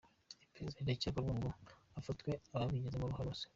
Iperereza riracyakorwa ngo hafatwe ababigizemo uruhare bose.